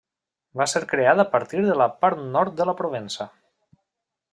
Va ser creat a partir de la part nord de la Provença.